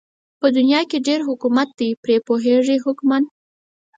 په دنيا کې ډېر حکمت دئ پرې پوهېږي حُکَما